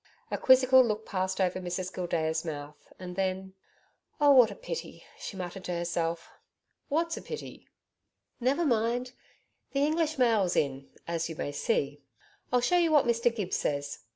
A quizzical look passed over Mrs Gildea's mouth, and then, 'Oh, what a pity!' she muttered to herself. 'What's a pity?' 'Never mind! The English mail's in as you may see. I'll show you what Mr Gibbs says.